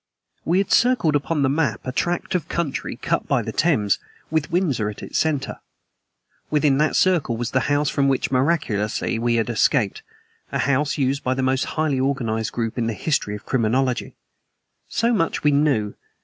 We had circled upon the map a tract of country cut by the Thames, with Windsor for its center. Within that circle was the house from which miraculously we had escaped a house used by the most highly organized group in the history of criminology. So much we knew.